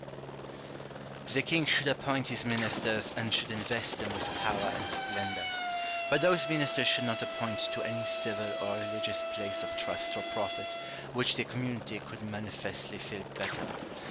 The king should appoint his ministers, and should invest them with power and splendour ; but those ministers should not appoint to any civil or religious place of trust or profit which the community could manifestly fill better.